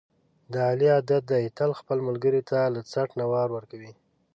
د علي عادت دی، تل خپل ملګري ته له څټ نه وار ورکوي.